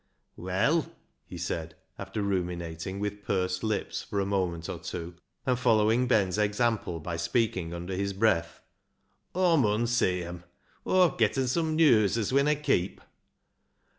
" Well," he said, after ruminating with pursed lips for a moment or two, and following Ben's example by speaking under his breath, " Aw mun see 'em ! Aw've getten some news as winna keep